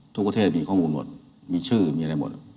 ทุกประเทศมีข้อมูลหมดมีชื่อมีอะไรหมด